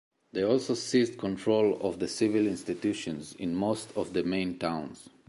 They also seized control of the civil institutions in most of the main towns.